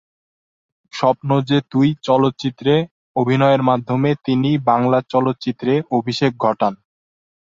স্বপ্ন যে তুই চলচ্চিত্রে অভিনয়ের মাধ্যমে তিনি বাংলা চলচ্চিত্রে অভিষেক ঘটান।